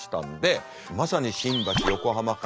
まさに新橋横浜間。